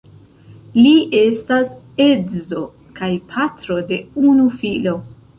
Li estas edzo kaj patro de unu filo.